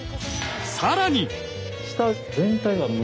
更に！